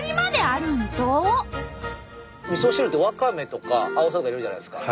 みそ汁ってわかめとかあおさとか入れるじゃないですか？